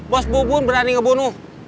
bos bubun berani ngebunuh